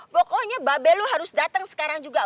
pokoknya babenya lu harus dateng sekarang juga